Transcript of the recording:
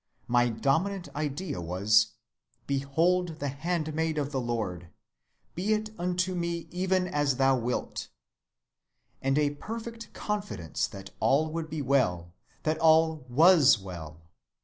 My dominant idea was: 'Behold the handmaid of the Lord: be it unto me even as thou wilt,' and a perfect confidence that all would be well, that all was well.